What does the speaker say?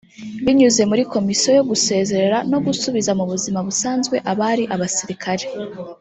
Binyuze muri Komisiyo yo gusezerera no gusubiza mu buzima busanzwe abari abasirikare